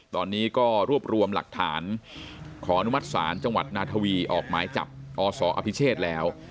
ตอนนี้ก็รวบรวมหลักฐานขออนุมัติศาลจังหวัดนาทวีออกหมายจับอศอภิเชษแล้ว